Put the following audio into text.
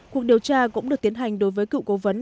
cuộc điều tra cũng được tiến hành đối với cựu cố vấn